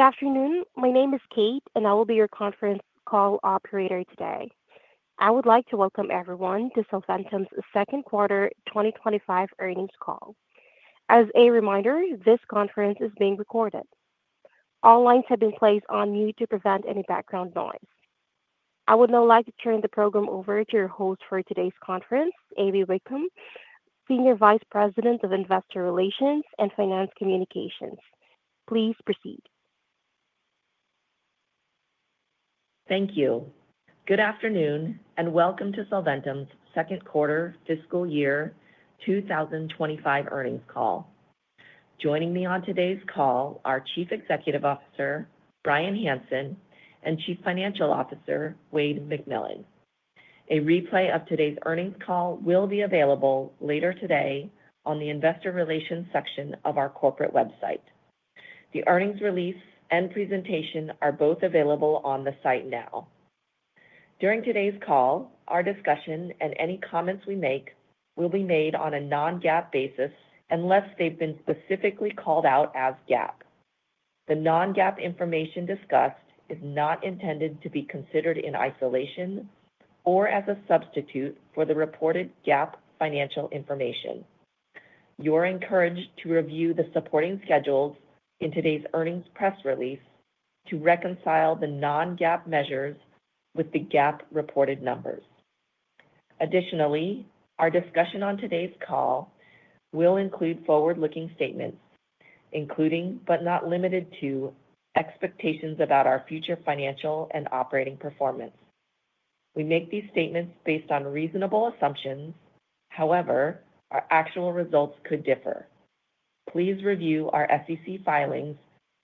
Good afternoon. My name is Kate and I will be your conference call operator today. I would like to welcome everyone to Solventum's second quarter 2025 earnings call. As a reminder, this conference is being recorded. All lines have been placed on mute to prevent any background noise. I would now like to turn the program over to your host for today's conference, Amy Wakeham, Senior Vice President of Investor Relations and Finance Communications. Please proceed. Thank you. Good afternoon and welcome to Solventum's second quarter fiscal year 2025 earnings call. Joining me on today's call are Chief Executive Officer Bryan Hanson and Chief Financial Officer Wayde McMillan. A replay of today's earnings call will be available later today on the investor relations section of our corporate website. The earnings release and presentation are both available on the site Now, during today's call, our discussion and any comments we make will be made on a non-GAAP basis, unless they've been specifically called out as GAAP. The non-GAAP information discussed is not intended to be considered in isolation or as a substitute for the reported GAAP financial information. You are encouraged to review the supporting schedules in today's earnings press release to reconcile the non-GAAP measures with the GAAP reported numbers. Additionally, our discussion on today's call will include forward-looking statements, including but not limited to, expectations about our future financial and operating performance. We make these statements based on reasonable assumptions. However, our actual results could differ. Please review our SEC filings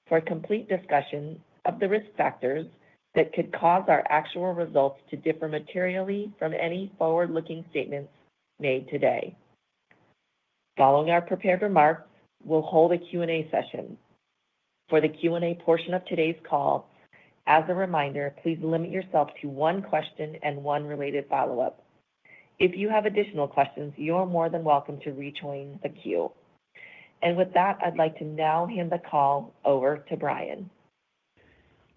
for a complete discussion of the risk factors that could cause our actual results to differ materially from any forward-looking statements made today. Following our prepared remarks, we'll hold a Q&A session. For the Q&A portion of today's call, as a reminder, please limit yourself to one question and one related follow-up. If you have additional questions, you are more than welcome to rejoin the queue. With that, I'd like to now hand the call over to Bryan.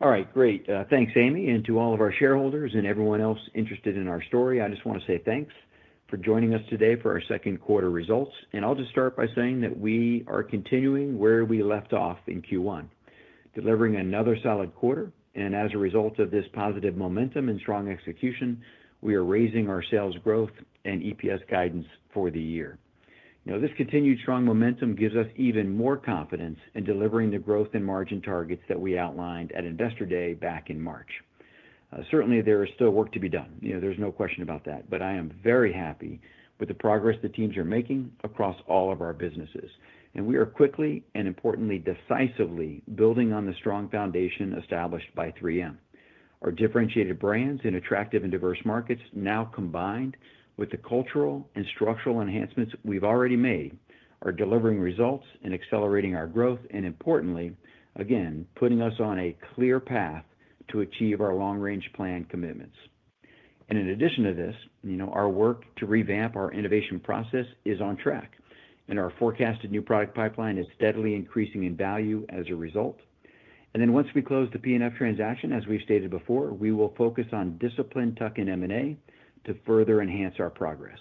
All right, great. Thanks, Amy. To all of our shareholders and everyone else interested in our story, I just want to say thanks for joining us today for our second quarter results. I'll just start by saying that we are continuing where we left off in Q1, delivering another solid quarter. As a result of this positive momentum and strong execution, we are raising our sales growth and EPS guidance for the year. This continued strong momentum gives us even more confidence in delivering the growth and margin targets that we outlined at Investor Day back in March. Certainly there is still work to be done, there's no question about that. I am very happy with the progress the teams are making across all of our businesses. We are quickly and, importantly, decisively building on the strong foundation established by 3M. Our differentiated brands in attractive and diverse markets, now combined with the cultural and structural enhancements we've already made, are delivering results and accelerating our growth and, importantly again, putting us on a clear path to achieve our long range plan commitments. In addition to this, our work to revamp our innovation process is on track and our forecasted new product pipeline is steadily increasing in value as a result. Once we close the PNF transaction, as we stated before, we will focus on disciplined tuck-in M&A to further enhance our progress.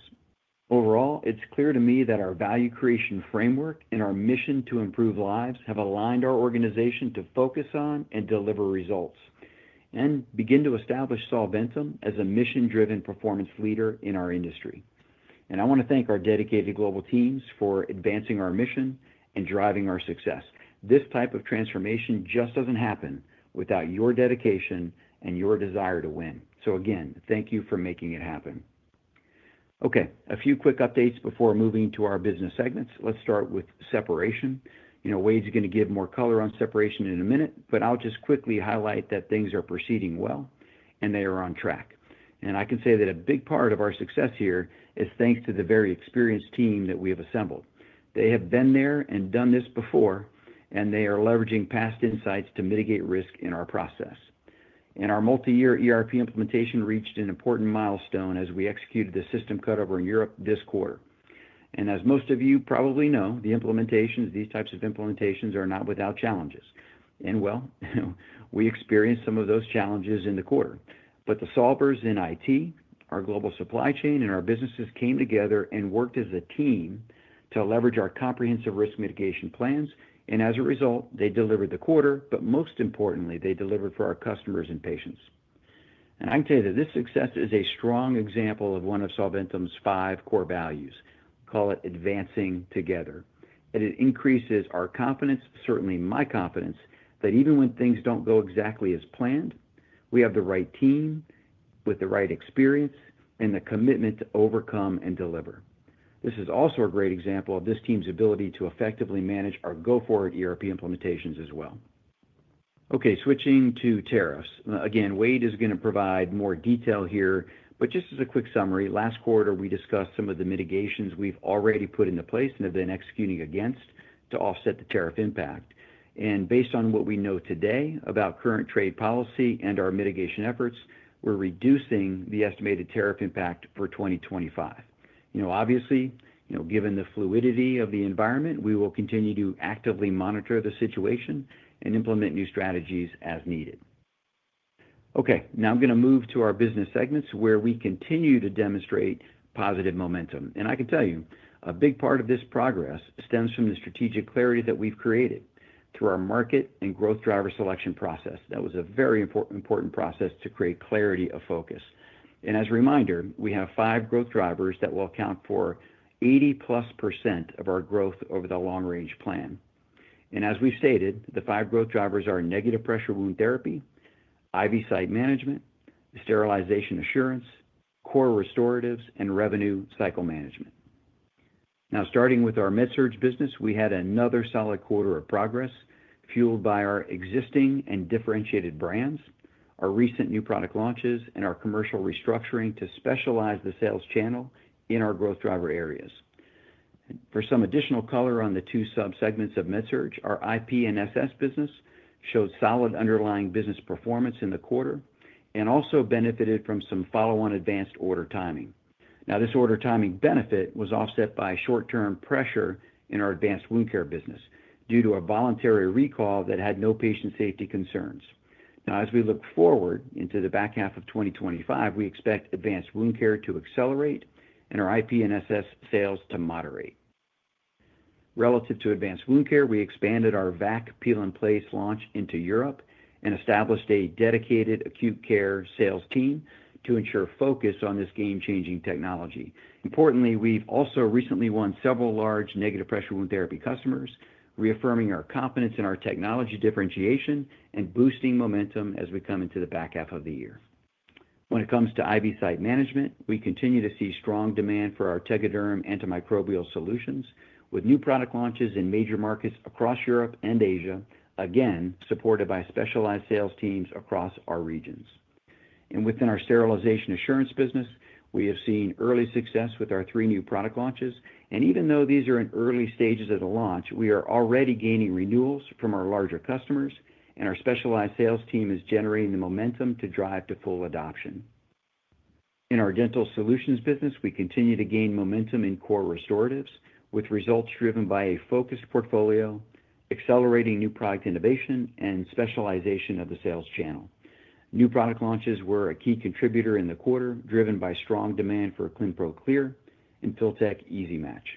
Overall, it's clear to me that our value creation framework and our mission to improve lives have aligned our organization to focus on and deliver results and begin to establish Solventum as a mission-driven performance leader in our industry. I want to thank our dedicated global teams for advancing our mission and driving our success. This type of transformation just doesn't happen without your dedication and your desire to win. Again, thank you for making it happen. A few quick updates before moving to our business segments. Let's start with separation. Wayde's going to give more color on separation in a minute, but I'll quickly highlight that things are proceeding well and they are on track. I can say that a big part of our success here is thanks to the very experienced team that we have assembled. They have been there and done this before and they are leveraging past insights to mitigate risk in our process. Our multi-year ERP implementation reached an important milestone as we executed the system cutover in Europe this quarter. As most of you probably know, these types of implementations are not without challenges. We experienced some of those challenges in the quarter, but the solvers in it, our global supply chain, and our businesses came together and worked as a team to leverage our comprehensive risk mitigation plans. As a result, they delivered the quarter, but most importantly, they delivered for our customers and patients. I can tell you that this success is a strong example of one of Solventum's five core values. Call it advancing together, and it increases our confidence, certainly my confidence, that even when things do not go exactly as planned, we have the right team with the right experience and the commitment to overcome and deliver. This is also a great example of this team's ability to effectively manage our go-forward ERP implementations as well. Okay, switching to tariffs again. Wayde is going to provide more detail here, but just as a quick summary, last quarter we discussed some of the mitigations we have already put into place and have been executing against to offset the tariff impact. Based on what we know today about current trade policy and our mitigation efforts, we are reducing the estimated tariff impact for 2025. Obviously, given the fluidity of the environment, we will continue to actively monitor the situation and implement new strategies as needed. Okay, now I am going to move to our business segments where we continue to demonstrate positive momentum. I can tell you a big part of this progress stems from the strategic clarity that we have created through our market and growth driver selection process. That was a very important process to create clarity of focus. As a reminder, we have five growth drivers that will account for 80+% of our growth over the long-range plan. As we stated, the five growth drivers are Negative Pressure Wound Therapy, IV Site Management, Sterilization Assurance, Core Restoratives, and Revenue Cycle Management. Now, starting with our MedSurg business, we had another solid quarter of progress fueled by our existing and differentiated brands, our recent new product launches, and our commercial restructuring to specialize the sales channel in our growth driver areas. For some additional color on the two subsegments of MedSurg, our IP and SS business showed solid underlying business performance in the quarter and also benefited from some follow-on advanced order timing. This order timing benefit was offset by short-term pressure in our advanced wound care business due to a voluntary recall that had no patient safety concerns. As we look forward into the back half of 2025, we expect advanced wound care to accelerate and our IP and SS sales to moderate relative to advanced wound care. We expanded our V.A.C. Peel and Place launch into Europe and established a dedicated acute care sales team to ensure focus on this game-changing technology. Importantly, we've also recently won several large negative pressure wound therapy customers, reaffirming our confidence in our technology differentiation and boosting momentum as we come into the back half of the year. When it comes to IV site management, we continue to see strong demand for our Tegaderm antimicrobial solutions with new product launches in major markets across Europe and Asia, again supported by specialized sales teams across our regions and within our sterilization assurance business. We have seen early success with our three new product launches and even though these are in early stages of the launch, we are already gaining renewals from our larger customers and our specialized sales team is generating the momentum to drive to full adoption. In our Dental Solutions business, we continue to gain momentum in core restoratives with results driven by a focused portfolio accelerating new product innovation and specialization of the sales channel. New product launches were a key contributor in the quarter, driven by strong demand for Clinpro Clear and Filtek Easy Match.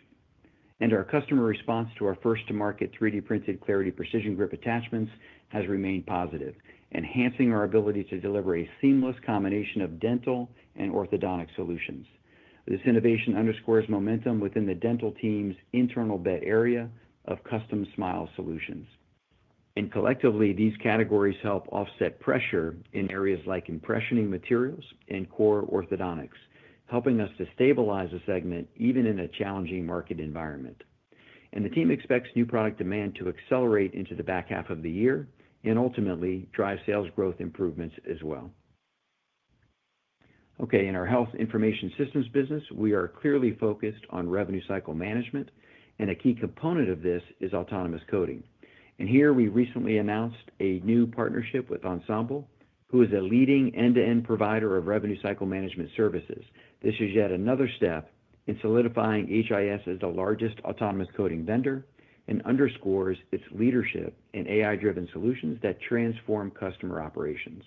Our customer response to our first-to-market 3D printed Clarity Precision Grip attachment has remained positive, enhancing our ability to deliver a seamless combination of dental and orthodontic solutions. This innovation underscores momentum within the dental team's internal bed area of Custom Smile solutions and collectively these categories help offset pressure in areas like impressioning materials and core orthodontics, helping us to stabilize a segment even in a challenging market environment. The team expects new product demand to accelerate into the back half of the year and ultimately drive sales growth improvements as well. In our Health Information Systems business, we are clearly focused on revenue cycle management, and a key component of this is autonomous coding. We recently announced a new partnership with Ensemble, who is a leading end-to-end provider of revenue cycle management services. This is yet another step in solidifying HIS as the largest autonomous coding vendor and underscores its leadership in AI-driven solutions that transform customer operations.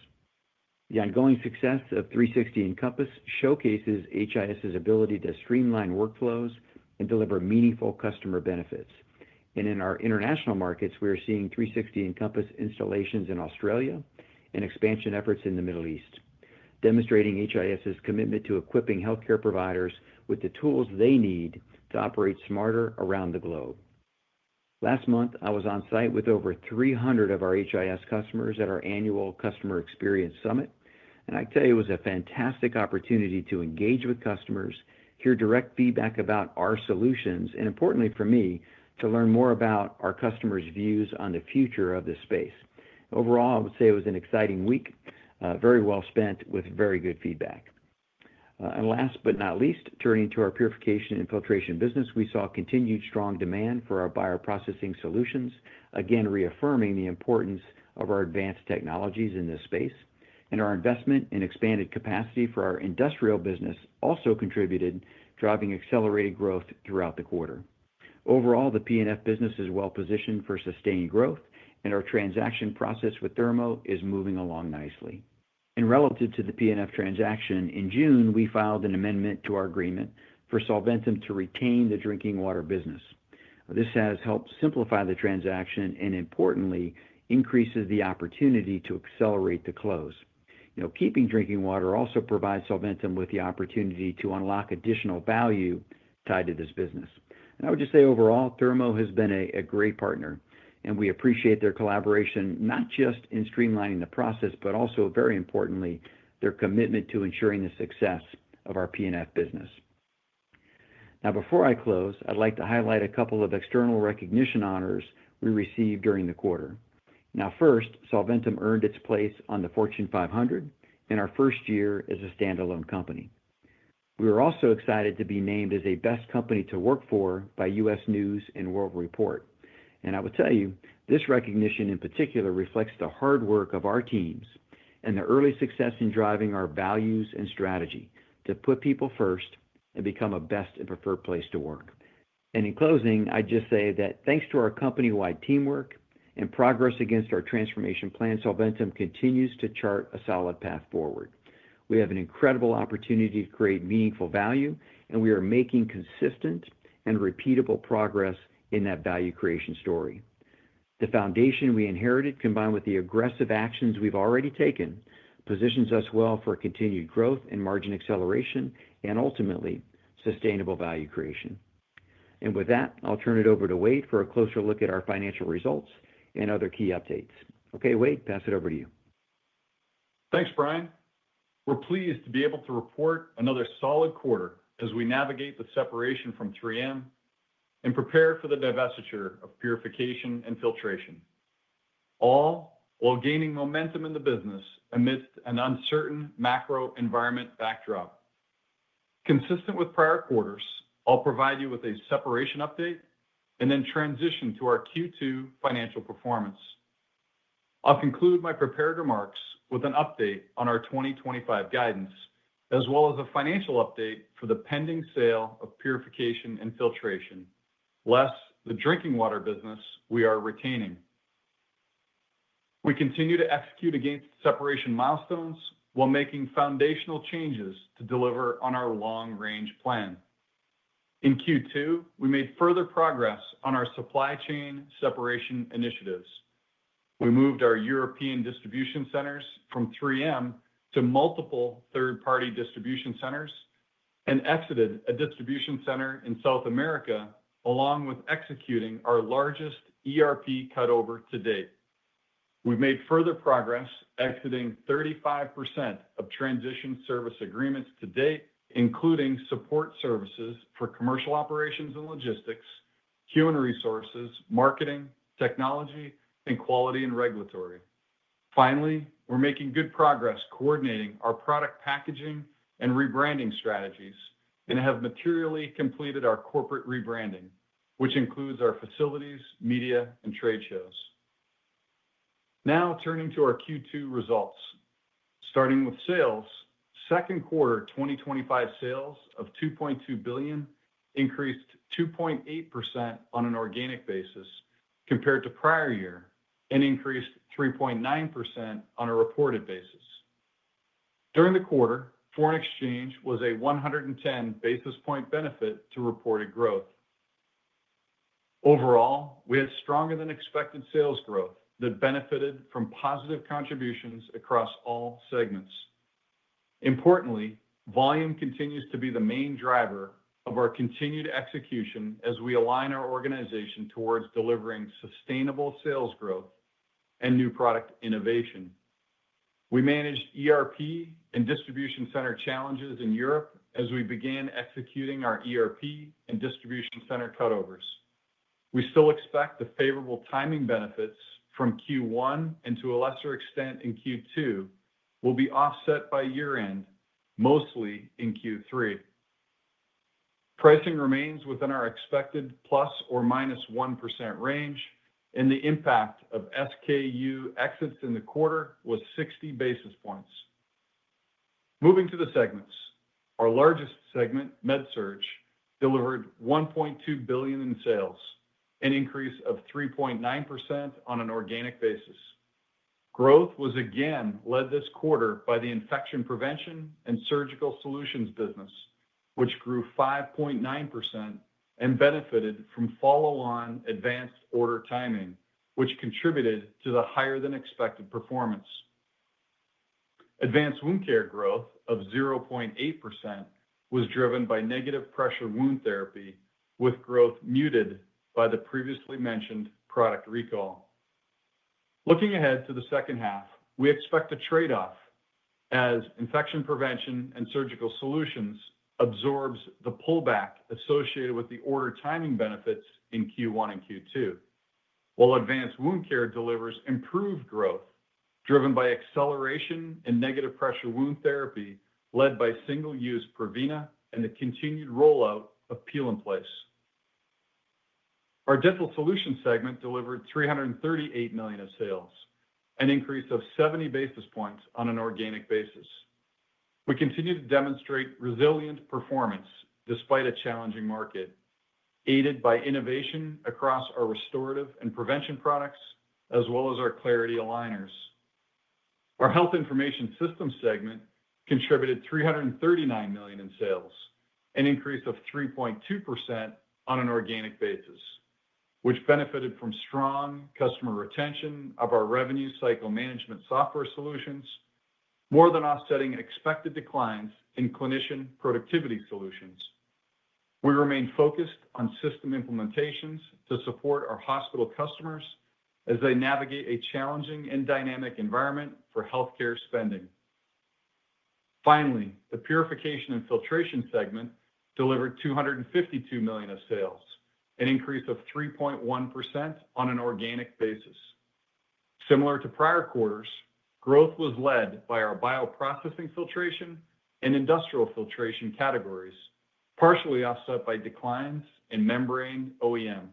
The ongoing success of 360 Encompass showcases HIS ability to streamline workflows and deliver meaningful customer benefits. In our international markets, we are seeing 360 Encompass installations in Australia and expansion efforts in the Middle East, demonstrating HIS commitment to equipping healthcare providers with the tools they need to operate smarter around the globe. Last month, I was on site with over 300 of our HIS customers at our annual Customer Experience Summit, and I tell you it was a fantastic opportunity to engage with customers, hear direct feedback about our solutions, and importantly for me to learn more about our customers' views on the future of this space. Overall, I would say it was an exciting week, very well spent with very good feedback. Last but not least, turning to our Purification and Filtration business, we saw continued strong demand for our bioprocessing solutions, again reaffirming the importance of our advanced technologies in this space. Our investment in expanded capacity for our industrial business also contributed, driving accelerated growth throughout the quarter. Overall, the PNF business is well-positioned for sustained growth, and our transaction process with Thermo is moving along nicely. Relative to the PNF transaction, in June we filed an amendment to our agreement for Solventum to retain the drinking water business. This has helped simplify the transaction and importantly increases the opportunity to accelerate the close. Keeping drinking water also provides Solventum with the opportunity to unlock additional value tied to this business. I would just say overall, Thermo has been a great partner, and we appreciate their collaboration, not just in streamlining the process, but also very importantly their commitment to ensuring the success of our PNF business. Now before I close, I'd like to highlight a couple of external recognition honors we received during the quarter. First, Solventum earned its place on the Fortune 500 in our first year as a standalone company. We were also excited to be named as a Best Company to Work For by U.S. News & World Report. I will tell you this recognition in particular reflects the hard work of our teams and the early success in driving our values and strategy to put people first and become a best and preferred place to work. In closing, I just say that thanks to our companywide teamwork and progress against our transformation plan, Solventum continues to chart a solid path forward. We have an incredible opportunity to create meaningful value and we are making consistent and repeatable progress in that value creation story. The foundation we inherited combined with the aggressive actions we've already taken positions us well for continued growth and margin acceleration and ultimately sustainable value creation. With that, I'll turn it over to Wayde for a closer look at our financial results and other key updates. Okay Wayde, pass it over to you. Thanks, Bryan. We're pleased to be able to report another solid quarter as we navigate the separation from 3M and prepare for the divestiture of Purification and Filtration, all while gaining momentum in the business amidst an uncertain macro environment backdrop consistent with prior quarters. I'll provide you with a separation update and then transition to our Q2 financial performance. I'll conclude my prepared remarks with an update on our 2025 guidance as well as a financial update for the pending sale of Purification and Filtration, less the drinking water business we are retaining. We continue to execute against separation milestones while making foundational changes to deliver on our long range plan. In Q2, we made further progress on our supply chain separation initiatives. We moved our European distribution centers from 3M to multiple third party distribution centers and exited a distribution center in South America along with executing our largest ERP cutover to date. We've made further progress exiting 35% of transition service agreements to date, including support services for commercial operations and logistics, human resources, marketing technology, and quality and regulatory. Finally, we're making good progress coordinating our product, packaging, and rebranding strategies and have materially completed our corporate rebranding, which includes our facilities, media, and trade shows. Now turning to our Q2 results, starting with sales. Second quarter 2025 sales of $2.2 billion increased 2.8% on an organic basis compared to prior year and increased 3.9% on a reported basis during the quarter. Foreign exchange was a 110 basis point benefit to reported growth. Overall, we had stronger than expected sales growth that benefited from positive contributions across all segments. Importantly, volume continues to be the main driver of our continued execution as we align our organization towards delivering sustainable sales growth and new product innovation. We managed ERP and distribution center challenges in Europe as we began executing our ERP and distribution center cutovers. We still expect the favorable timing benefits from Q1 and, to a lesser extent in Q2, will be offset by year end, mostly in Q3. Pricing remains within our expected ±1% range and the impact of SKU exits in the quarter was 60 basis points. Moving to the segments, our largest segment, MedSurg, delivered $1.2 billion in sales, an increase of 3.9% on an organic basis. Growth was again led this quarter by the Infection Prevention and Surgical Solutions business, which grew 5.9% and benefited from follow-on advanced order timing, which contributed to the higher than expected performance. Advanced Wound Care growth of 0.8% was driven by negative pressure wound therapy, with growth muted by the previously mentioned product recall. Looking ahead to the second half, we expect a trade-off as Infection Prevention and Surgical Solutions absorbs the pullback associated with the order timing benefits in Q1 and Q2, while Advanced Wound Care delivers improved growth driven by acceleration in negative pressure wound therapy led by single use Provina and the continued rollout of Peel and Place. Our Dental Solutions segment delivered $338 million of sales, an increase of 70 basis points on an organic basis. We continue to demonstrate resilient performance despite a challenging market, aided by innovation across our restorative and prevention products as well as our Clarity aligners. Our Health Information Systems segment contributed $339 million in sales, an increase of 3.2% on an organic basis, which benefited from strong customer retention of our revenue cycle management software solutions. More than offsetting expected declines in clinician productivity solutions, we remain focused on system implementations to support our hospital customers as they navigate a challenging and dynamic environment for healthcare spending. Finally, the Purification and Filtration segment delivered $252 million of sales, an increase of 3.1% on an organic basis. Similar to prior quarters, growth was led by our bioprocessing, filtration, and industrial filtration categories, partially offset by declines in membrane OEM.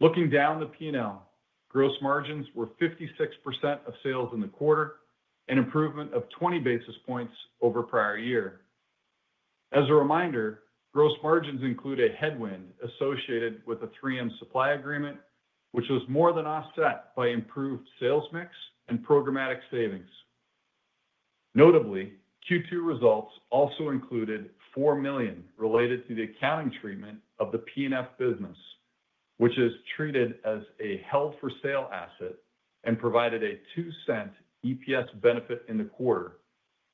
Looking down the P&L, gross margins were 56% of sales in the quarter, an improvement of 20 basis points over prior year. As a reminder, gross margins include a headwind associated with a 3M supply agreement, which was more than offset by improved sales mix and programmatic savings. Notably, Q2 results also included $4 million related to the accounting treatment of the PNF business, which is treated as a held for sale asset and provided a $0.02 EPS benefit in the quarter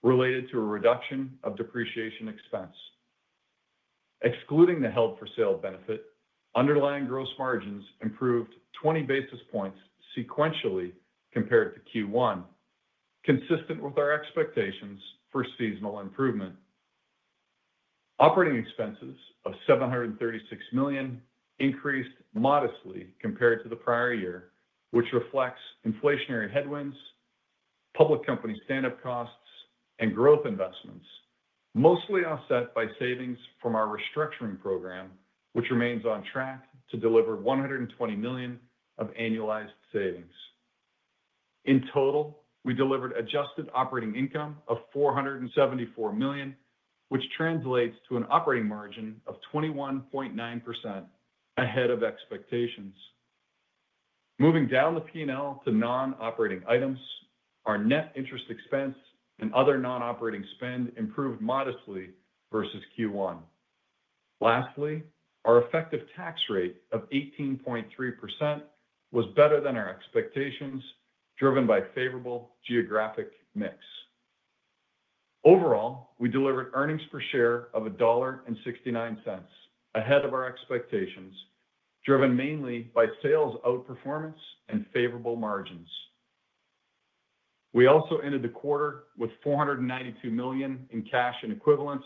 related to a reduction of depreciation expense. Excluding the held for sale benefit, underlying gross margins improved 20 basis points sequentially compared to Q1, consistent with our expectations for seasonal improvement. Operating expenses of $736 million increased modestly compared to the prior year, which reflects inflationary headwinds, public company standup costs, and growth investments, mostly offset by savings from our restructuring program, which remains on track to deliver $120 million of annualized savings. In total, we delivered adjusted operating income of $474 million, which translates to an operating margin of 21.9%, ahead of expectations. Moving down the P&L to non-operating items, our net interest expense and other non-operating spend improved modestly versus Q1. Lastly, our effective tax rate of 18.3% was better than our expectations, driven by favorable geographic mix. Overall, we delivered earnings per share of $1.69, ahead of our expectations, driven mainly by sales outperformance and favorable margins. We also ended the quarter with $492 million in cash and equivalents,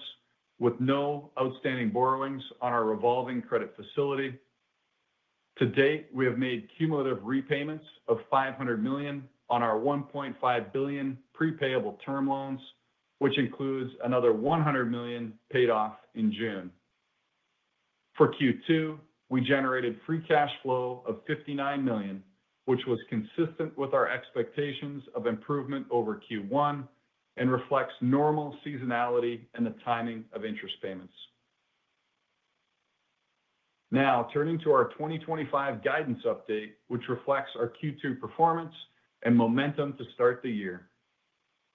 with no outstanding borrowings on our revolving credit facility. To date, we have made cumulative repayments of $500 million on our $1.5 billion prepayable term loans, which includes another $100 million paid off in June. For Q2, we generated free cash flow of $59 million, which was consistent with our expectations of improvement over Q1 and reflects normal seasonality and the timing of interest payments. Now turning to our 2025 guidance update, which reflects our Q2 performance and momentum to start the year.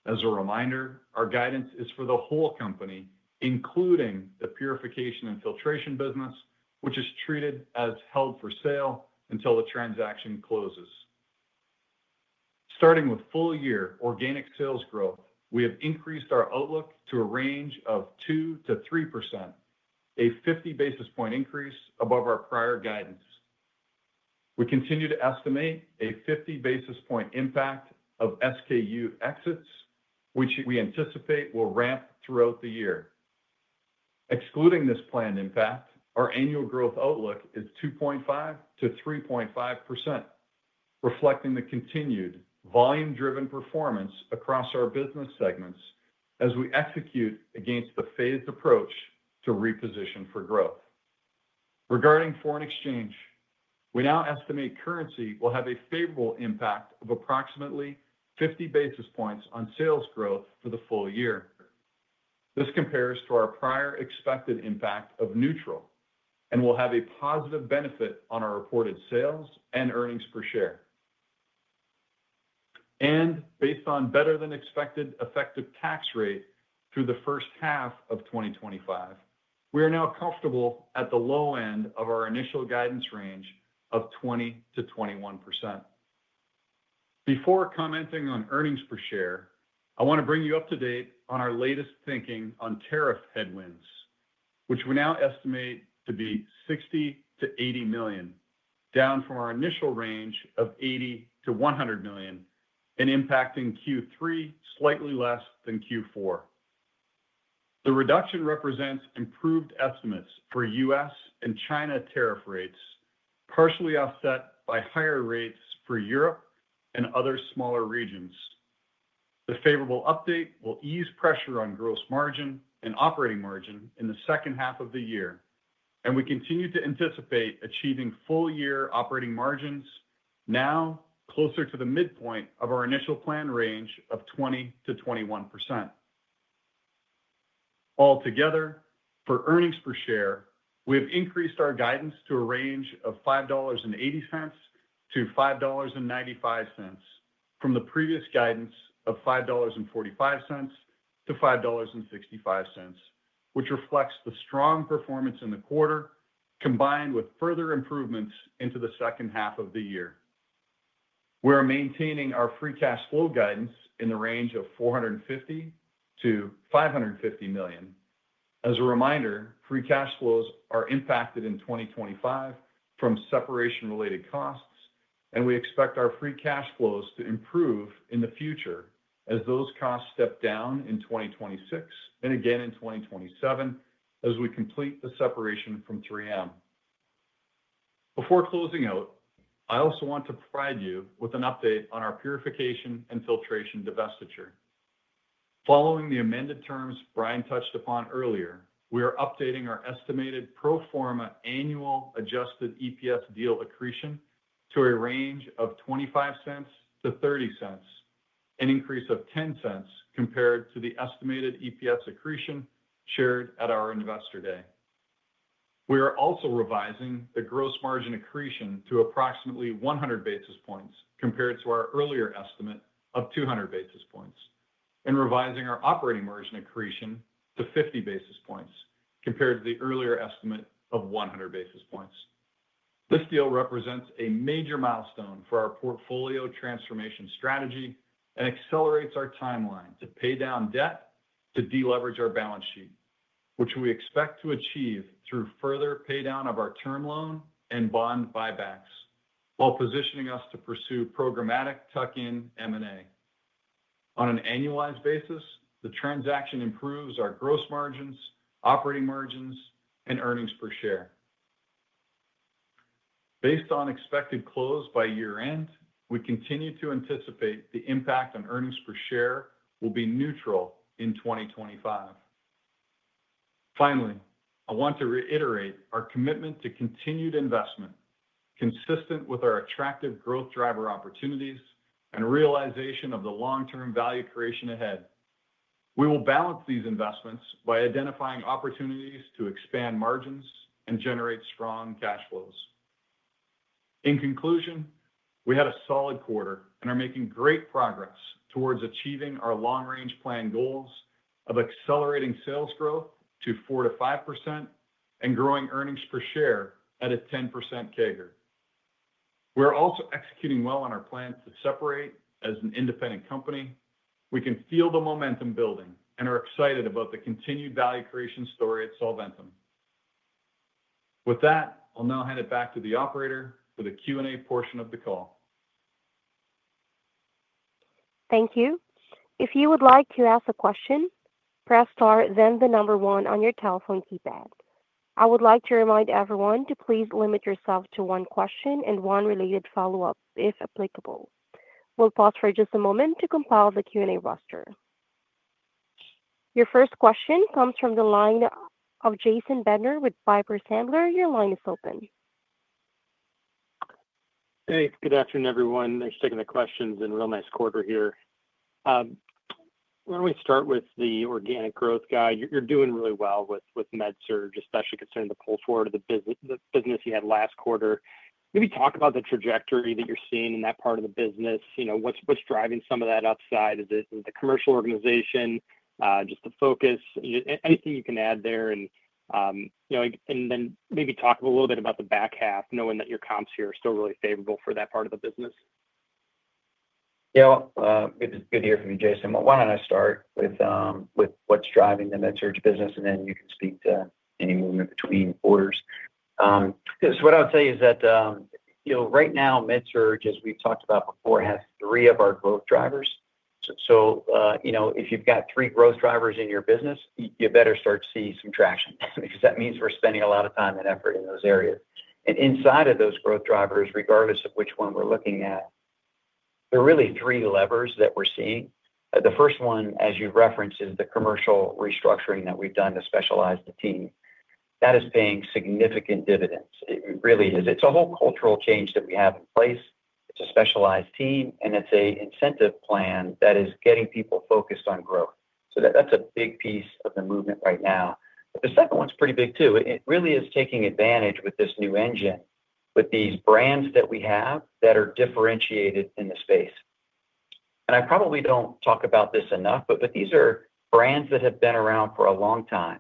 As a reminder, our guidance is for the whole company, including the Purification and Filtration business, which is treated as held for sale until the transaction closes. Starting with full year organic sales growth, we have increased our outlook to a range of 2%-3%, a 50 basis point increase above our prior guidance. We continue to estimate a 50 basis point impact of SKU exits, which we anticipate will ramp throughout the year. Excluding this planned impact, our annual growth outlook is 2.5%-3.5%, reflecting the continued volume-driven performance across our business segments as we execute against the phased approach to reposition for growth. Regarding foreign exchange, we now estimate currency will have a favorable impact of approximately 50 basis points on sales growth for the full year. This compares to our prior expected impact of neutral and will have a positive benefit on our reported sales and earnings.er share. Based on better than expected effective tax rate through the first half of 2025, we are now comfortable at the low end of our initial guidance range of 20%-21%. Before commenting on earnings per share, I want to bring you up to date on our latest thinking on tariff headwinds, which we now estimate to be $60 million-$80 million, down from our initial range of $80 million-$100 million and impacting Q3 slightly less than Q4. The reduction represents improved estimates for U.S. and China tariff rates, partially offset by higher rates for Europe and other smaller regions. The favorable update will ease pressure on gross margin and operating margin in the second half of the year, and we continue to anticipate achieving full year operating margins now closer to the midpoint of our initial plan range of 20%-21%. Altogether, for earnings per share, we have increased our guidance to a range of $5.80-$5.95 from the previous guidance of $5.45-$5.65, which reflects the strong performance in the quarter combined with further improvements into the second half of the year. We are maintaining our free cash flow guidance in the range of $450 million-$550 million. As a reminder, free cash flows are impacted in 2025 from separation related costs, and we expect our free cash flows to improve in the future as those costs step down in 2026 and again in 2027 as we complete the separation from 3M. Before closing out, I also want to provide you with an update on our Purification and Filtration divestiture. Following the amended terms Bryan touched upon earlier, we are updating our estimated pro forma annual adjusted EPS deal accretion to a range of $0.25-$0.30, an increase of $0.10 compared to the estimated EPS accretion shared at our investor day. We are also revising the gross margin accretion to approximately 100 basis points compared to our earlier estimate of 200 basis points, and revising our operating margin accretion to 50 basis points compared to the earlier estimate of 100 basis points. This deal represents a major milestone for our portfolio transformation strategy and accelerates our timeline to pay down debt to deleverage our balance sheet, which we expect to achieve through further pay down of our term loan and bond buybacks while positioning us to pursue programmatic tuck-in M&A on an annualized basis. The transaction improves our gross margins, operating margins, and earnings per share based on expected close by year end. We continue to anticipate the impact on EPS will be neutral in 2025. Finally, I want to reiterate our commitment to continued investment consistent with our attractive growth driver opportunities and realization of the long-term value creation ahead. We will balance these investments by identifying opportunities to expand margins and generate strong cash flows. In conclusion, we had a solid quarter and are making great progress towards achieving our long-range plan goals, accelerating sales growth to 4%-5% and growing EPS at a 10% CAGR. We're also executing well on our plans to separate as an independent company. We can feel the momentum building and are excited about the continued value creation story at Solventum. With that, I'll now hand it back to the operator for the Q&A portion of the call. Thank you. If you would like to ask a question, press star, then the number one on your telephone keypad. I would like to remind everyone to please limit yourself to one question and one related follow up if applicable. We'll pause for just a moment to compile the Q&A roster. Your first question comes from the line of Jason Bednar with Piper Sandler. Your line is open. Hey, good afternoon everyone. Thanks for taking the questions and real nice quarter here. Why don't we start with the organic growth guide? You're doing really well with MedSurg, especially concerning the pull forward of the business, the business you had last quarter. Maybe talk about the trajectory that you're seeing in that part of the business. You know, what's driving some of that upside? Is it the commercial organization? Just the focus, anything you can add there, and then maybe talk a little bit about the back half, knowing that your comps here are still really favorable for that part of the business. Good to hear from you, Jason. Why don't I start with what's driving the MedSurg business and then you can speak to any movement between orders. What I'll tell you is that right now MedSurg, as we've talked about before, has three of our growth drivers. If you've got three growth drivers in your business, you better start to see some traction because that means we're spending a lot of time and effort in those areas, and inside of those growth drivers, regardless of which one we're looking at, there are really three levers that we're seeing. The first one, as you reference, is the commercial restructuring that we've done to specialize the team. That is paying significant dividends. It really is. It's a whole cultural change that we have in place. It's a specialized team and it's an incentive plan that is getting people focused on growth. That's a big piece of the movement right now. The second one's pretty big too. It really is taking advantage with this new engine, with these brands that we have that are differentiated in the space. I probably don't talk about this enough, but these are brands that have been around for a long time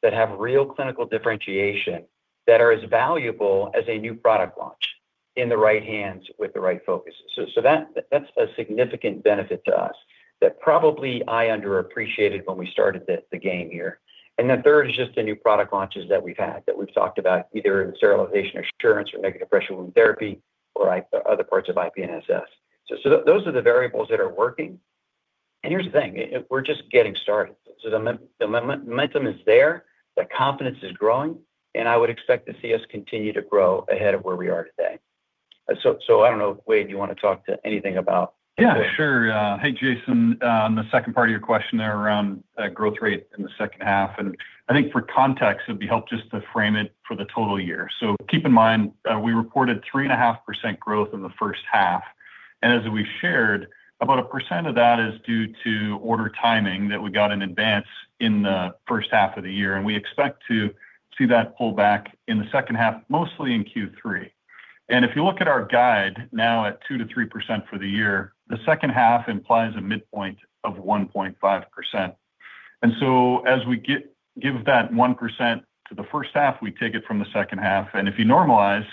that have real clinical differentiation, that are as valuable as a new product launch in the right hands with the right focus. That's a significant benefit to us that probably I underappreciated when we started the game here. The third is just the new product launches that we've had that we've talked about either in sterilization assurance or negative pressure wound therapy or other parts of IP and SS. Those are the variables that are working. The momentum is there, the confidence is growing, and I would expect to see us continue to grow ahead of where we are today. I don't know. Wayde, you want to talk to anything about? Yeah, sure. Hey, Jason, on the second part of your question, there around growth rate in the second half, I think for context, it'd be help just to frame it for the total year. Keep in mind, we reported 3.5% growth in the first half and as we shared, about 1% of that is due to order timing that we got in advance in the first half of the year. We expect to see that pullback in the second half mostly in Q3. If you look at our guide now at 2%-3% for the year, the second half implies a midpoint of 1.5%. As we give that 1% to the first half, we take it from the second half. If you normalize,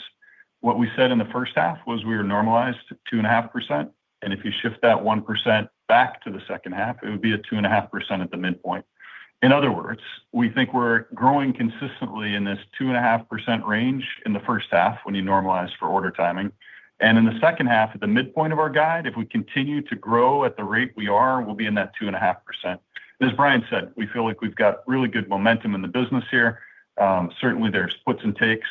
what we said in the first half was we were normalized 2.5%. If you shift that 1% back to the second half, it would be a 2.5% at the midpoint. In other words, we think we're growing consistently in this 2.5% range in the first half. When you normalize for order timing and in the second half at the midpoint of our guide, if we continue to grow at the rate we are, we'll be in that 2.5%. As Bryan said, we feel like we've got really good momentum in the business here. Certainly there's puts and takes,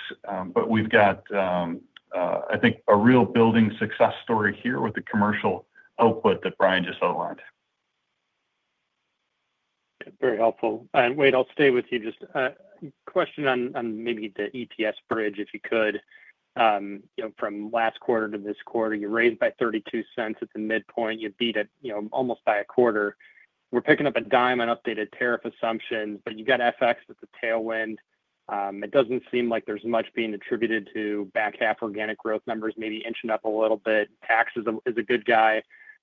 but we've got, I think, a real building success story here with the commercial output that Bryan just outlined. Very helpful, Wayde, I'll stay with you. Just question on maybe the EPS bridge, if you could, from last quarter to this quarter you raised by $0.32 at the midpoint. You beat it almost by a quarter. We're picking up a dime on updated tariff assumptions, but you got FX with the tailwind. It doesn't seem like there's much being attributed to back half organic growth numbers maybe inching up a little bit. Tax is a good guy.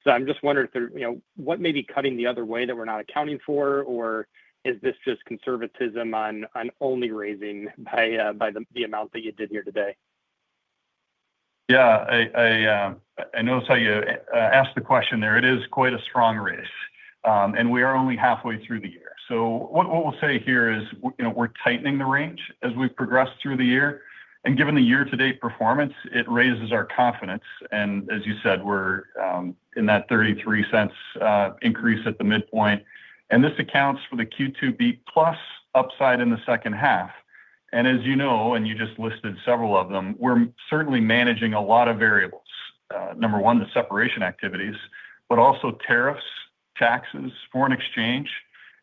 I'm just wondering what may be cutting the other way that we're not accounting for. Is this just conservatism on only raising by the amount that you did here today? I notice how you asked the question there. It is quite a strong race and we are only halfway through the year. What we'll say here is we're tightening the range as we progress through the year, and given the year-to-date performance, it raises our confidence. As you said, we're in that $0.33 increase at the midpoint, and this accounts for the Q2 beat plus upside in the second half. As you know, and you just listed several of them, we're certainly managing a lot of variables. Number one, the separation activities, but also tariffs, taxes, foreign exchange.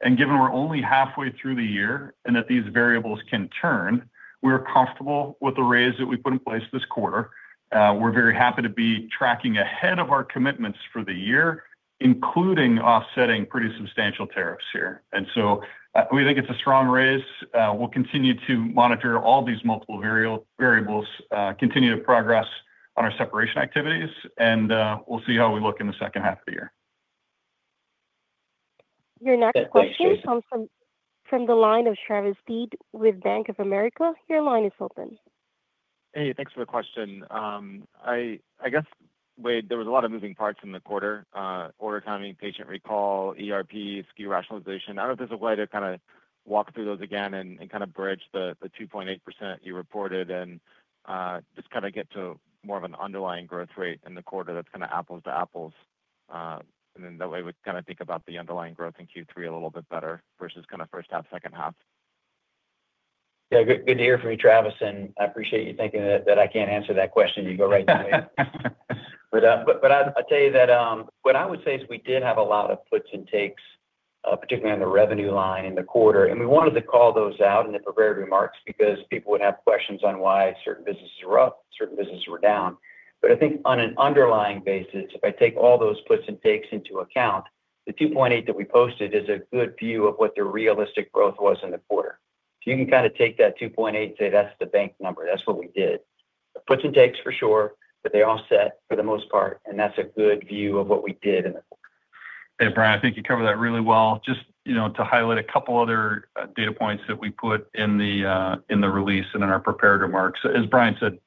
Given we're only halfway through the year and that these variables can turn, we're comfortable with the raise that we put in place this quarter. We're very happy to be tracking ahead of our commitments for the year, including offsetting pretty substantial tariffs here. We think it's a strong race. We'll continue to monitor all these multiple variables, continue to progress on our separation activities, and we'll see how we look in the second half of the year. Your next question comes from the line of Travis Steed with Bank of America. Your line is open. Hey, thanks for the question. There was a lot of moving parts in the quarter, order timing, patient recall, ERP, SKU rationalization. I don't know if there's a way to kind of walk through those again and kind of bridge the 2.8% you reported and just kind of get to more of an underlying growth rate in the quarter that's kind of apples to apples. That way we kind of think about the underlying growth in Q3 a little bit better versus kind of first half, second half, yeah. Good to hear from you, Travis. I appreciate you thinking that. I can't answer that question. You go right to me. What I would say is we did have a lot of puts and takes, particularly on the revenue line in the quarter. We wanted to call those out in the prepared remarks because people would have questions on why certain businesses were up, certain businesses were down. I think on an underlying basis, if I take all those puts and takes into account, the 2.8% that we posted is a good view of what the realistic growth was in the quarter. You can kind of take that 2.8% and say that's the bank number. That's what we did. Puts and takes for sure, but they all set for the most part, and that's a good view of what we did in the quarter. Hey, Bryan, I think you cover that really well. Just, you know, to highlight a couple other data points that we put in the release and in our prepared remarks. As Bryan said,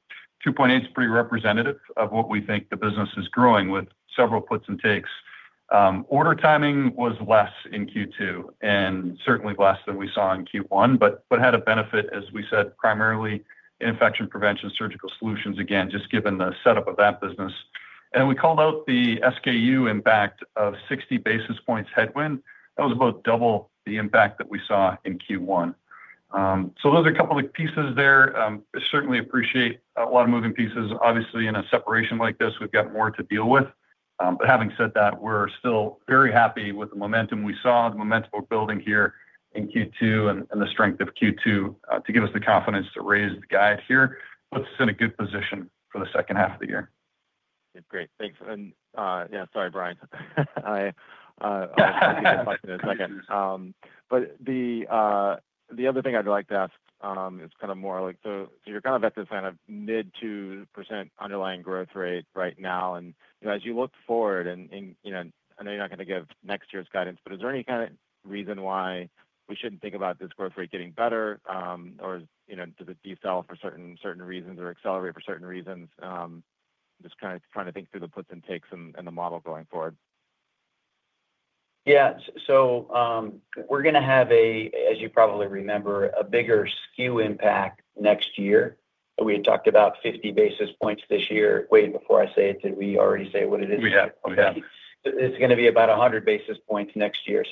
2.8% is pretty representative of what we think. The business is growing with several puts and takes. Order timing was less in Q2 and certainly less than we saw in Q1, but had a benefit, as we said, primarily infection prevention, Surgical Solutions. Again, just given the setup of that business. We called out the SKU impact of 60 basis points headwind, that was about double the impact that we saw in Q1. Those are a couple of pieces there. Certainly appreciate a lot of moving pieces. Obviously in a separation like this, we've got more to deal with. Having said that, we're still very happy with the momentum we saw, the momentum we're building here in Q2 and the strength of Q2 to give us the confidence to raise the guide here puts us in a good position for the second half of the year. Great, thanks. Sorry, Bryan. The other thing I'd like to ask is kind of more like you're kind of at this kind of mid 2% underlying growth rate right now and as you look forward, and I know you're not going to give next year's guidance, but is there any kind of reason why we shouldn't think about this growth rate getting better or, you know, does it. Do you sell for certain, certain reasons or accelerate for certain reasons? Just kind of trying to think through the puts and takes and the model going forward? Yeah. We're going to have, as you probably remember, a bigger SKU impact next year. We talked about 50 basis points this year. Wait, before I say it did we already say what it is? Yeah, it's going to be about 100 basis points next year.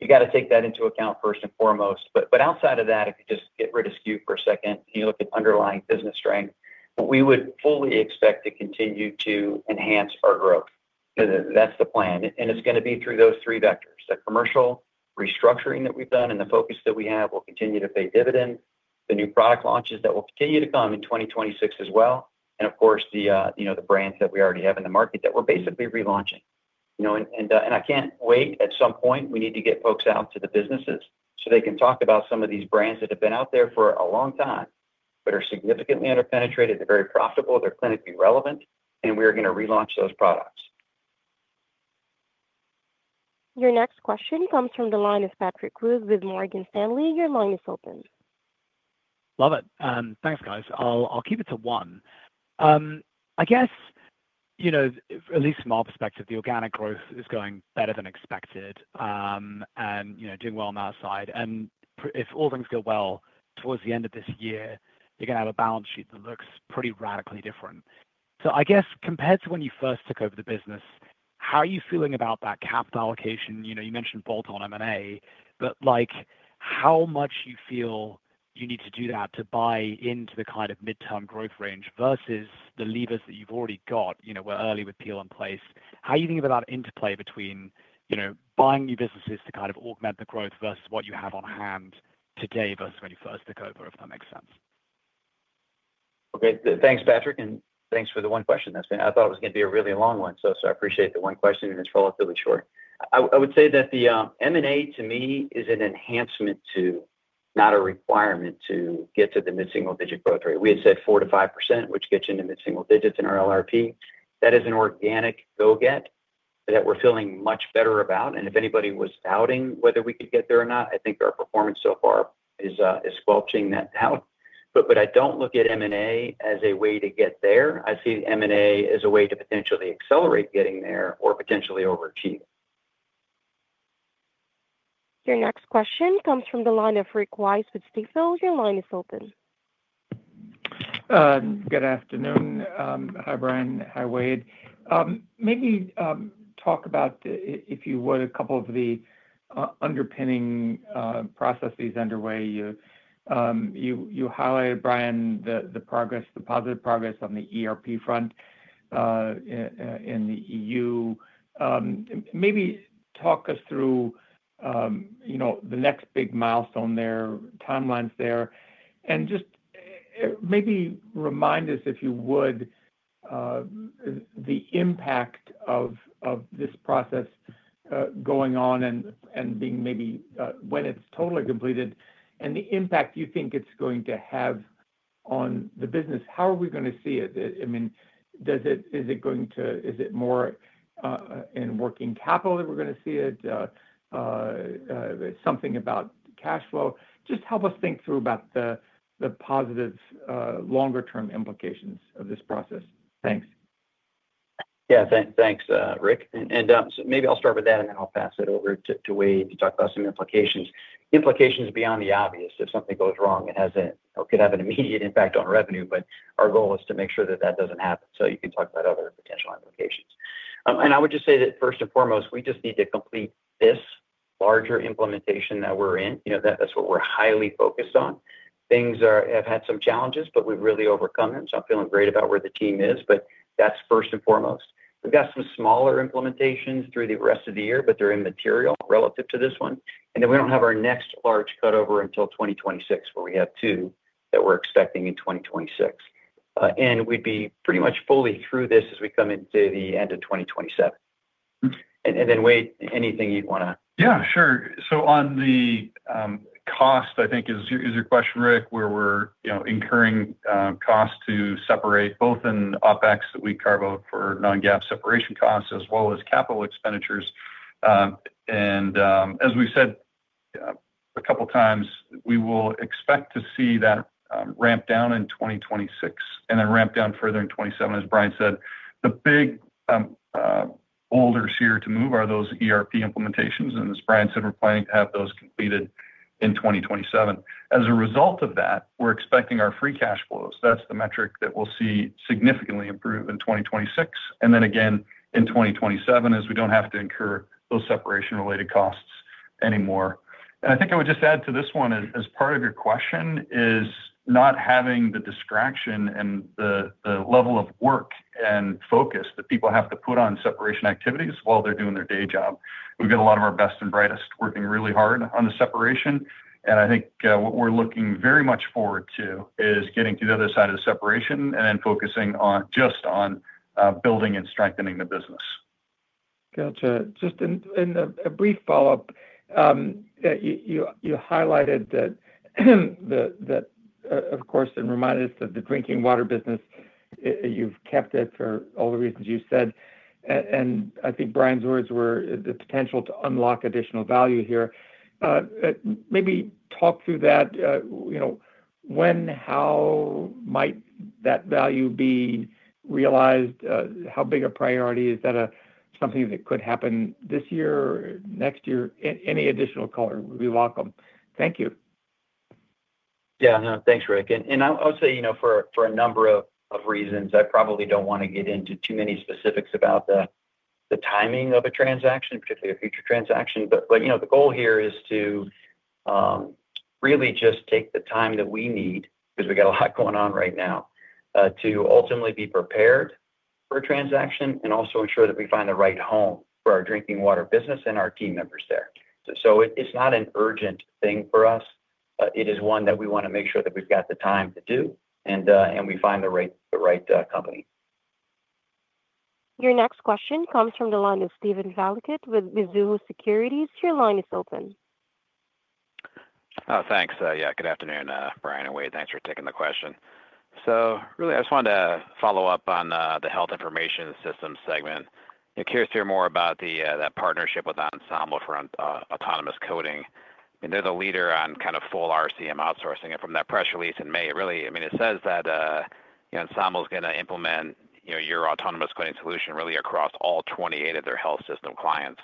You got to take that into account first and foremost. Outside of that, if you just get rid of SKU for a second, you look at underlying business strength. We would fully expect to continue to enhance our growth. That's the plan and it's going to be through those three vectors. The commercial restructuring that we've done and the focus that we have will continue to pay dividend. The new product launches that will continue to come in 2026 as well. Of course, the brands that we already have in the market that we're basically relaunching and I can't wait. At some point we need to get folks out to the businesses so they can talk about some of these brands that have been out there for a long time but are significantly under penetrated. They're very profitable, they're clinically relevant and we're going to relaunch those products. Your next question comes from the line of Patrick Wood with Morgan Stanley. Your line is open. Love it. Thanks guys. I'll keep it to one. I guess, you know, at least from our perspective the organic growth is going better than expected and you know, doing well on that side. If all things go well towards the end of this year you're going to have a balance sheet that looks pretty radically different. I guess compared to when you first took over the business, how are you feeling about that capital allocation? You know you mentioned bolt-on M&A but like how much you feel you need to do that to buy into the kind of midterm growth range versus the levers that you've already got. We're early with Peel and Place. How do you think about interplay between buying new businesses to augment the growth versus what you have on hand today versus when you first took over, if that makes sense. Okay, thanks Patrick. Thanks for the one question. I thought it was going to be a really long one so I appreciate the one question and its follow-up to mature. I would say that the M&A to me is an enhancement to, not a requirement to get to the mid single digit growth rate. We had said 4%-5% which gets into mid single digits in our LRP. That is an organic go get that we're feeling much better about. If anybody was doubting whether we could get there or not, I think our performance so far is sculpting that out. I don't look at M&A as a way to get there. I see M&A as a way to potentially accelerate getting there or potentially overachieving. Your next question comes from the line of Rick Wise with Stifel. Your line is open. Good afternoon. Hi Bryan. Hi Wayde. Maybe talk about, if you would, a couple of the underpinning processes underway. You highlighted, Bryan, the progress, the positive progress on the ERP front in Europe. Maybe talk us through, you know, the next big milestone there, timelines there. Just maybe remind us if you would, the impact of this process going on and being maybe when it's totally completed and the impact you think it's going to have on the business. How are we going to see it? Does it. Is it going to. Is it more in working capital that we're going to see it? Something about cash flow. Just help us think through about the positives, longer term implications of this process. Thanks. Yeah, thanks Rick. Maybe I'll start with that and then I'll pass it over to Wayde to talk about some implications. Implications beyond the obvious. If something goes wrong, it has a. Could have an immediate impact on revenue. Our goal is to make sure that that doesn't happen so you can talk about other potential implications. I would just say that first and foremost we just need to complete this larger implementation that we're in. You know that that's what we're highly focused on. Things have had some challenges, but we've really overcome them. I'm feeling great about where the team is, but that's first and foremost. We've got some smaller implementations through the rest of the year, but they're immaterial relative to this one. We don't have our next large cutover until 2026 where we have two that we're expecting in 2026 and we'd be pretty much fully through this as we come into the end of 2027. Wayde, anything you want to. Yeah, sure. On the cost, I think is your question, Rick, where we're incurring cost to separate both in OpEx that we carve out for non-GAAP separation costs.s well as capital expenditures. As we've said a couple times, we will expect to see that ramp down in 2026 and then ramp down further in 2027. As Bryan said, the big boulders here to move are those ERP implementations. As Bryan said, we're planning to have those completed in 2027. As a result of that, we're expecting our free cash flows. That's the metric that we'll see significantly improve in 2026 and then again in 2027 as we don't have to incur those separation related costs anymore. I think I would just add to this one as part of your question is not having the distraction and the level of work and focus that people have to put on separation activities while they're doing their day job. We've got a lot of our best and brightest working really hard on the separation. I think what we're looking very much forward to is getting to the other side of the separation and then focusing just on building and strengthening the business. Gotcha. Just a brief follow up. You highlighted that, of course, and reminded us that the drinking water business, you've kept it for all the reasons you said. I think Bryan's words were the potential to unlock additional value here. Maybe talk through that, you know, when, how might that value be realized? How big a priority is that, something that could happen this year, next year? Any additional color would be welcome. Thank you. Yeah, thanks, Rick. I'll say, for a number of reasons, I probably don't want to get into too many specifics about the timing of a transaction, particularly a future transaction. The goal here is to really just take the time that we need because we got a lot going on right now to ultimately be prepared for a transaction and also ensure that we find the right home for our drinking water business and our team members there. It's not an urgent thing for us. It is one that we want to make sure that we've got the time to do and we find the right company. Your next question comes from the line of Steven Valiquette with Mizuho Securities. Your line is open. Oh, thanks. Yeah. Good afternoon, Bryan and Wayde. Thanks for taking the question. I just wanted to follow up on the Health Information Systems segment. Curious to hear more about that partnership with Ensemble for autonomous coding. They're the leader on full RCM outsourcing. From that press release in May, it says that Ensemble is going to implement your autonomous claim solution across all 28 of their health system clients.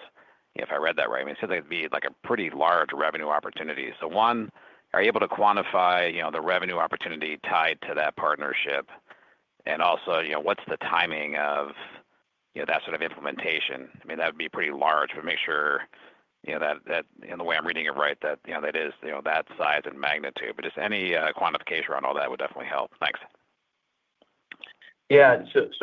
If I read that right, it seems like it'd be a pretty large revenue opportunity. One, are you able to quantify the revenue opportunity tied to that partnership? Also, what's the timing of that sort of implementation? That would be pretty large. Make sure that in the way I'm reading it right, that is the size and magnitude. Any quantification around all that would definitely help. Thanks.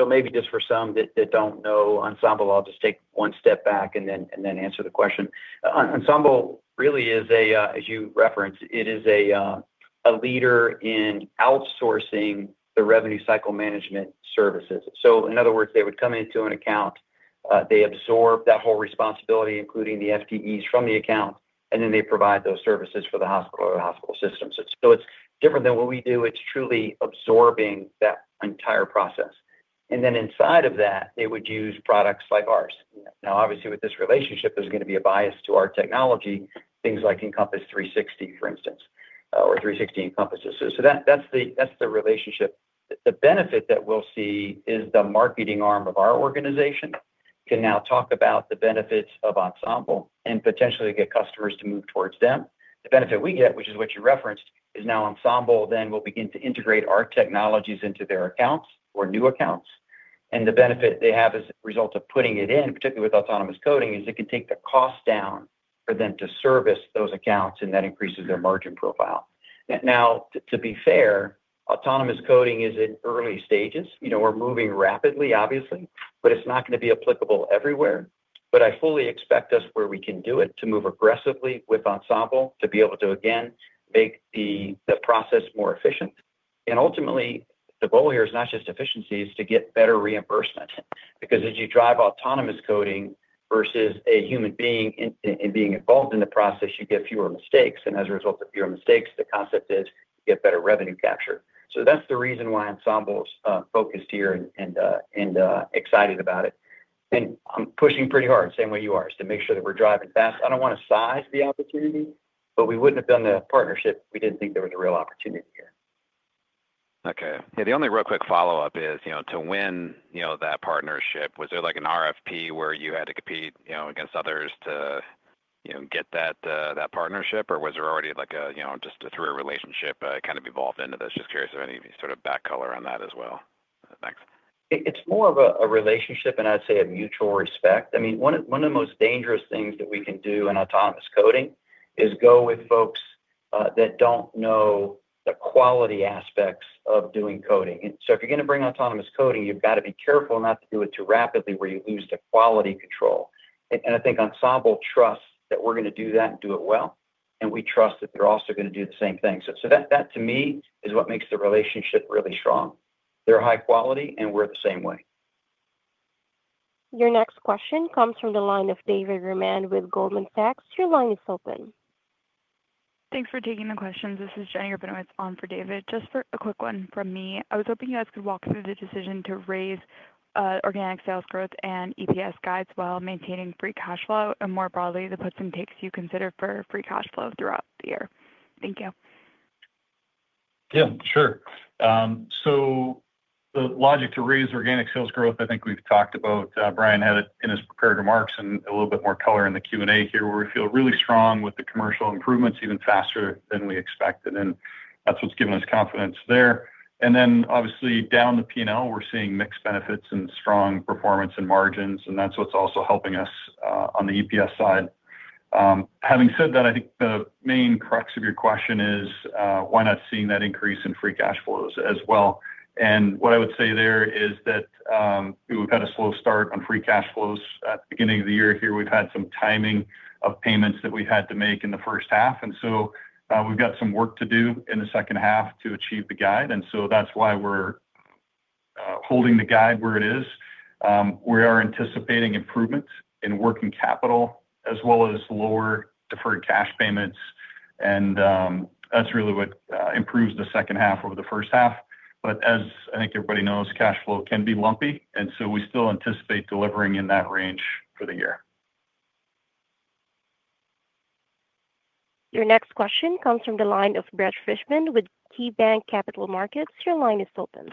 Maybe just for some that don't know Ensemble, I'll take one step back and then answer the question. Ensemble really is, as you referenced, a leader in outsourcing the revenue cycle management services. In other words, they would come into an account, absorb that whole responsibility, including the FTEs from the account, and then provide those services for the hospital or hospital systems. It's different than what we do. It's truly absorbing that entire process. Inside of that, they would use products like ours. Obviously, with this relationship, there's going to be a bias to our technology. Things like 360 Encompass, for instance. That's the relationship. The benefit that we'll see is the marketing arm of our organization can now talk about the benefits of Ensemble and potentially get customers to move towards them. The benefit we get, which is what you referenced, is now Ensemble will begin to integrate our technologies into their accounts or new accounts. The benefit they have as a result of putting it in, particularly with autonomous coding, is it could take the cost down for them to service those accounts and that increases their margin profile. To be fair, autonomous coding is in early stages. We're moving rapidly, obviously, but it's not going to be applicable everywhere. I fully expect us, where we can do it, to move aggressively with Ensemble to be able to make the process more efficient. Ultimately, the goal here is not just efficiencies to get better reimbursement, because as you drive autonomous coding versus a human being involved in the process, you get fewer mistakes. As a result of your mistakes, the concept is get better revenue capture. That is the reason why Ensemble is focused here and excited about it. I'm pushing pretty hard, same way you are, to make sure that we're driving fast. I don't want to size the opportunity, but we wouldn't have done the partnership if we didn't think there was a real opportunity here. The only real quick follow-up is, to win that partnership, was there like an RFP where you had to compete against others to get that partnership, or was there already just a relationship that kind of evolved into this? Just curious if any sort of back color on that as well. Thanks. It's more of a relationship, and I'd say a mutual respect. One of the most dangerous things that we can do in autonomous coding is go with folks that don't know the quality aspects of doing coding. If you're going to bring autonomous coding, you've got to be careful not to do it too rapidly where you lose the quality control. I think Ensemble trusts that we're going to do that and do it well, and we trust that they're also going to do the same thing. That, to me, is what makes the relationship really strong. They're high quality, and we're the same way. Your next question comes from the line of David Roman with Goldman Sachs. Your line is open. Thanks for taking the questions. This is Jenny Rabinowitz on for David. Just for a quick one from me, I was hoping you guys could walk through the decision to raise organic sales growth and EPS guides while maintaining free cash flow and more broadly, the puts and takes you consider for free cash flow throughout the year. Thank you. Yeah, sure. The logic to raise organic sales growth I think we've talked about. Bryan had it in his prepared remarks and a little bit more color in the Q and A here where we feel really strong with the commercial improvements even faster than we expected. That's what's given us confidence there. Obviously, down the P and L we're seeing mixed benefits and strong performance and margins. That's what's also helping us on the EPS side. Having said that, I think the main crux of your question is why not seeing that increase in free cash flows as well? What I would say there is that we've had a slow start on free cash flows at the beginning of the year here. We've had some timing of payments that we've had to make in the first half, and we've got some work to do in the second half to achieve the guide. That's why we're holding the guide where it is. We are anticipating improvements in working capital as well as lower deferred cash payments. That's really what improves the second half over the first half. As I think everybody knows, cash flow can be lumpy, and we still anticipate delivering in that range for the year. Your next question comes from the line of Brett Fishman with KeyBanc Capital Markets. Your line is open.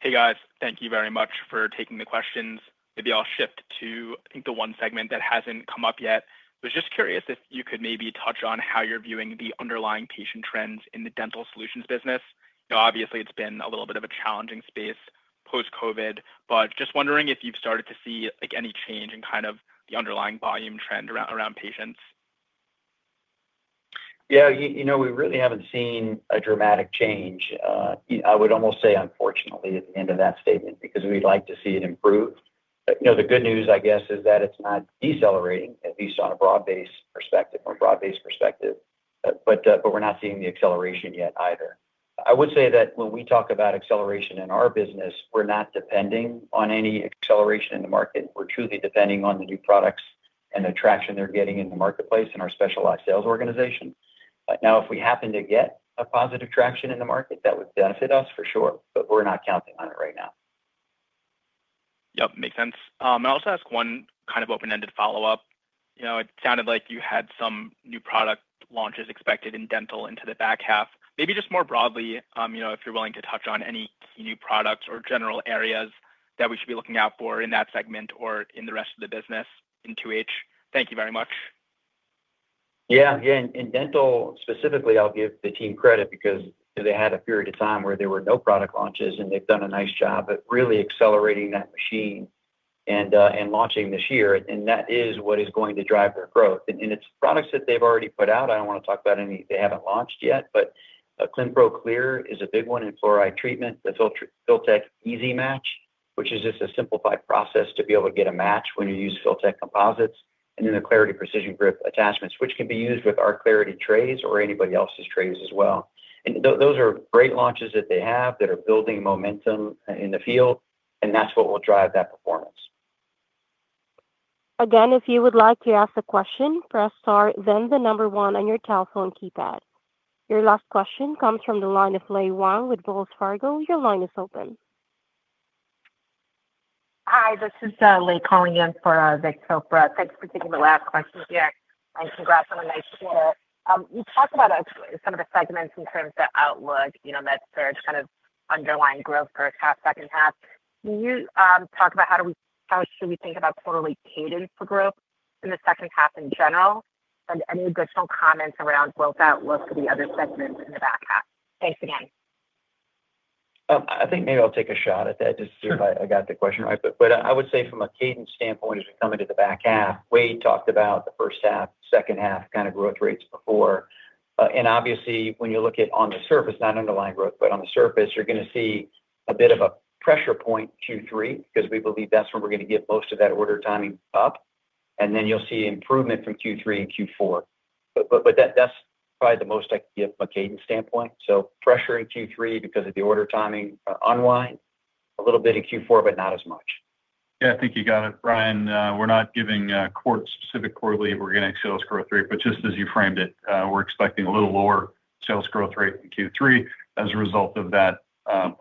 Hey guys, thank you very much for taking the questions. Maybe I'll shift to the one segment that hasn't come up yet. Was just curious if you could maybe touch on how you're viewing the underlying patient trends in the Dental Solutions business. Obviously it's been a little bit of a challenging space post-Covid, but just wondering if you've started to see any change in kind of the underlying volume trend around patients. Yeah, you know, we really haven't seen a dramatic change. I would almost say unfortunately at the end of that statement, because we'd like to see it improve. The good news, I guess, is that it's not decelerating, at least on a broad-based perspective. On a broad-based perspective. We're not seeing the acceleration yet either. I would say that when we talk about acceleration in our business, we're not depending on any acceleration in the market. We're truly depending on the new products and attraction they're getting in the marketplace and our specialized sales organization. If we happen to get a positive traction in the market, that would benefit us for sure, but we're not counting on it right now. Yep, makes sense. Also, ask one kind of open-ended follow-up. It sounded like you had some new product launches expected in dental into the back half. Maybe just more broadly, if you're willing to touch on any key new products or general areas that we should be looking out for in that segment or in the rest of the business in 2H. Thank you very much. Yeah. In dental specifically, I'll give the team credit because they had a period of time where there were no product launches and they've done a nice job at really accelerating that machine and launching this year. That is what is going to drive their growth. It's products that they've already put out. I don't want to talk about any they launched yet. Clinpro Clear is a big one in fluoride treatment. The Filtek Easy Match, which is just a simplified process to be able to get a match when you use Filtek composites, and then the 3D printed Clarity Precision Grip attachment, which can be used with our Clarity trays or anybody else's trays as well. Those are great launches that they have that are building momentum in the field and that's what will drive that performance. Again, if you would like to ask a question, press star, then the number one on your telephone keypad. Your last question comes from the line of Wei Wang with Wells Fargo. Your line is open. Hi, this is Wei calling in for Vikramjeet Chopra. Thanks for taking the last question here and congrats on a nice quarter. You talked about some of the segments in terms of outlook, you know, that surge kind of underlying growth first half, second half. Can you talk about how do we, how should we think about quarterly cadence for growth in the second half in general and any additional comments around growth outlook for the other segments in the back half? Thanks again. I think maybe I'll take a shot at that. I got the question right. I would say from a cadence standpoint, if you come into the back half, we talked about the first half, second half kind of growth rates before and obviously when you look at on the surface, not underlying growth, but on the surface you're going to see a bit of a pressure point Q3 because we believe that's where we're going to get most of that order timing up and then you'll see improvement from Q3 and Q4, but that's probably the most cadence standpoint. Pressure in Q3 because of the order timing, unwind a little bit of Q4 but not as much. Yeah, I think you got it, Bryan. We're not giving specific quarterly organic sales growth rate, but just as you framed it, we're expecting a little lower sales growth rate in Q3 as a result of that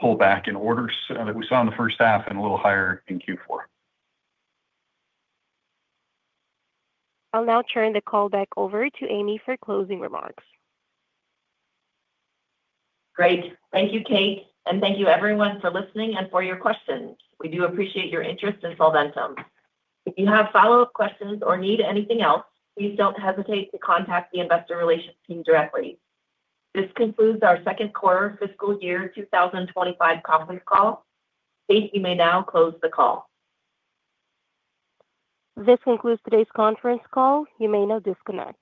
pullback in orders that we saw in the first half and a little higher in Q4. I'll now turn the call back over to Amy for closing remarks. Great. Thank you, Kate. Thank you, everyone, for listening and for your questions. We do appreciate your interest in Solventum. If you have follow up questions or need anything else, please don't hesitate to contact the Investor Relations team directly. This concludes our second quarter fiscal year 2025 conference call. You may now close the call. This concludes today's conference call. You may now disconnect.